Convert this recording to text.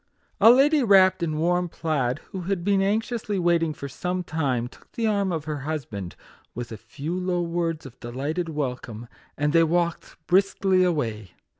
A lady, wrapped in a warm plaid, who had been anxiously waiting for some time, took the arm of her husband, with a few low words of delighted welcome, and they walked briskly away.